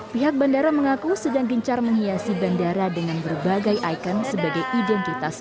pihak bandara mengaku sedang gencar menghiasi bandara dengan berbagai ikon sebagai identitas